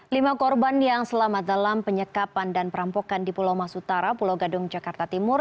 lima korban yang selamat dalam penyekapan dan perampokan di pulau mas utara pulau gadung jakarta timur